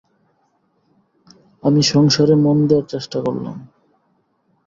আমি সংসারে মন দেয়ার চেষ্টা করলাম।